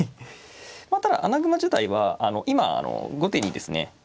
まあただ穴熊自体は今後手にですね